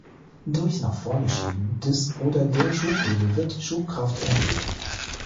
Durch nach vorne Schieben des oder der Schubhebel wird die Schubkraft erhöht.